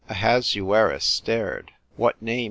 Ahasuerus stared. " What name